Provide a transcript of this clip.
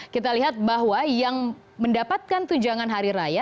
kita lihat bahwa yang mendapatkan tunjangan hari raya